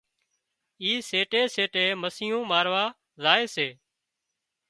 اي سيٽي سيٽي مسيون ماروا زائي سي